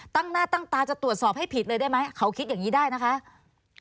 ตั้งหน้าตั้งตาจะตรวจสอบให้ผิดเลยได้ไหมเขาคิดอย่างนี้ได้นะคะ